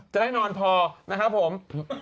ได้นอนพอนะครับผม